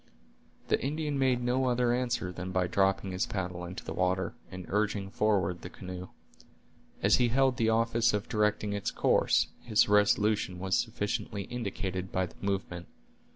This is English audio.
The Indian made no other answer than by dropping his paddle into the water, and urging forward the canoe. As he held the office of directing its course, his resolution was sufficiently indicated by the movement.